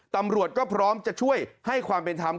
ตำรวจก็พร้อมจะช่วยให้ความเป็นธรรม